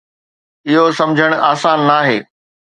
اهو سمجهڻ آسان ناهي.